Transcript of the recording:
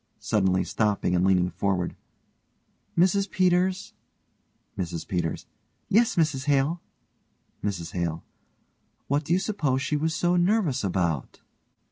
(suddenly stopping and leaning forward) Mrs Peters? MRS PETERS: Yes, Mrs Hale? MRS HALE: What do you suppose she was so nervous about?